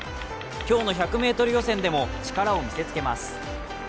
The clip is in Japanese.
今日の１００ｍ予選でも力を見せつけます。